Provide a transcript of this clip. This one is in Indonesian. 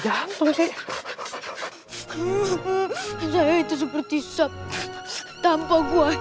tidak ada yang bisa dikawal